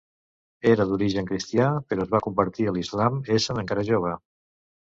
Era d'origen cristià però es va convertir a l'islam essent encara jove.